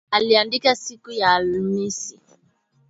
Aliandika siku ya Alhamisi.